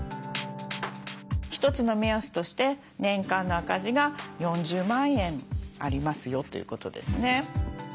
一つの目安として年間の赤字が４０万円ありますよということですね。